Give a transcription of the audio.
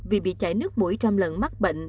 vì bị chảy nước mũi trong lần mắc bệnh